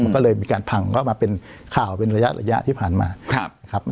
มันก็เลยมีการพังก็มาเป็นข่าวเป็นระยะที่ผ่านมานะครับ